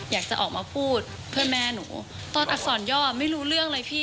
อยากจะออกมาพูดเพื่อแม่หนู